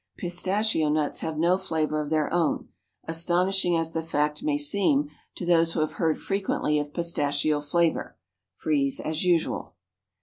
(Pistachio nuts have no flavor of their own, astonishing as the fact may seem to those who have heard frequently of pistachio flavor.) Freeze as usual.